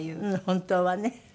本当はね。